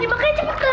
ya makanya cepetan